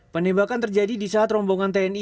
penembakan terjadi di saat rombongan tni